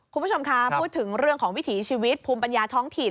คุณผู้ชมคะพูดถึงเรื่องของวิถีชีวิตภูมิปัญญาท้องถิ่น